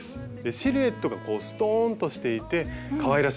シルエットがこうストーンとしていてかわいらしいですよね。